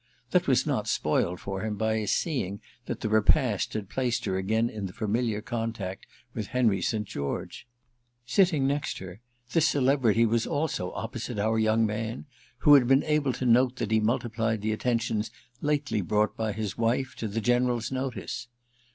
That was not spoiled for him by his seeing that the repast had placed her again in familiar contact with Henry St. George. Sitting next her this celebrity was also opposite our young man, who had been able to note that he multiplied the attentions lately brought by his wife to the General's notice.